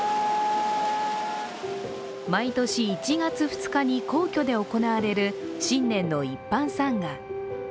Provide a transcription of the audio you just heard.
毎年１月２日に皇居で行われる新年の一般参賀。